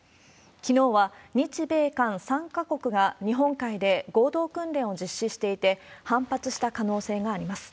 きのうは日米韓３か国が日本海で合同訓練を実施していて、反発した可能性があります。